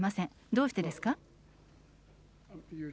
どうしてですか？